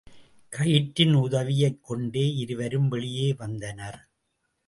கயிற்றின் உதவியைக்கொண்டே இருவரும் வெளியே வந்தனர்.